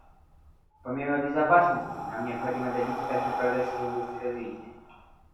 Помимо безопасности, нам необходимо добиться также прогресса в области развития.